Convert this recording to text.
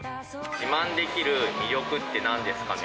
自慢できる魅力ってなんです